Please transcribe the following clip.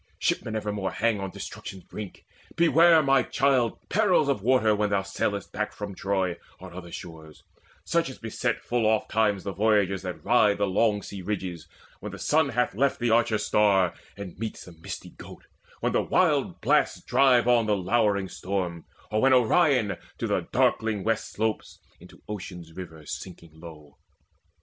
Shipmen evermore Hang on destruction's brink. Beware, my child, Perils of waters when thou sailest back From Troy or other shores, such as beset Full oftentimes the voyagers that ride The long sea ridges, when the sun hath left The Archer star, and meets the misty Goat, When the wild blasts drive on the lowering storm, Or when Orion to the darkling west Slopes, into Ocean's river sinking slow.